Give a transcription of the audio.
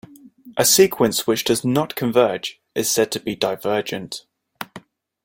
A sequence which does not converge is said to be divergent.